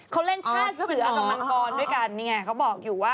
เขาเล่นชาติเสือกับมังกรด้วยกันนี่ไงเขาบอกอยู่ว่า